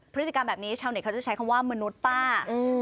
พฤติกรรมแบบนี้ชาวเน็ตเขาจะใช้คำว่ามนุษย์ป้า